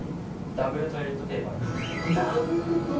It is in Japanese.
ダブルトイレットペーパー？